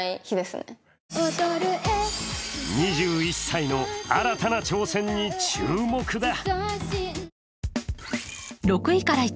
２１歳の新たな挑戦に注目だ。